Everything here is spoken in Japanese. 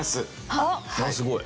あっすごい。